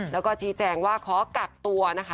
แล้วก็ชี้แจงว่าขอกักตัวนะคะ